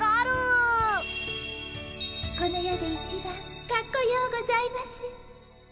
この世で一番かっこようございます。